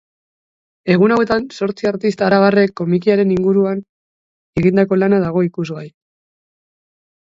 Egun hauetan zortzi artista arabarrek komikiaren iunguruan egindako lana dago ikusgai.